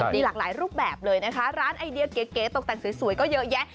มีหลากหลายรูปแบบเลยนะคะร้านไอเดียเก๋ตกแต่งสวยก็เยอะแยะ